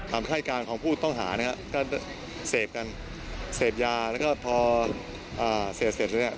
รามค่ายกากผู้ต้องหาเศษกันเศษยา